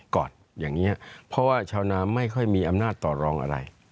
ก่อนอย่างนี้เพราะว่าชาวนาไม่ค่อยมีอำนาจต่อรองอะไร